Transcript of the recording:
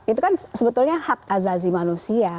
itu kan sebetulnya hak azazi manusia